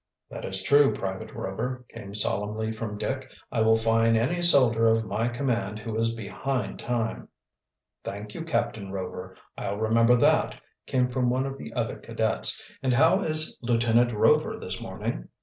"That is true, Private Rover," came solemnly from Dick. "I will fine any soldier of my command who is behind time." "Thank you, Captain Rover, I'll remember that," came from one of the other cadets. "And how is Lieutenant Rover this morning"?